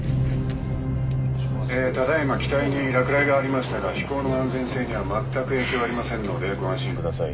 えーただ今機体に落雷がありましたが飛行の安全性にはまったく影響ありませんのでご安心ください。